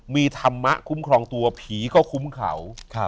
มีธรรมะคุ้มครองตัวผีก็คุ้มเขา